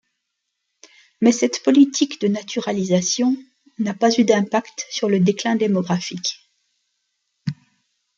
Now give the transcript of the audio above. Mais cette poliitque de naturalisation n'a pas eu d'impact sur le déclin démographique.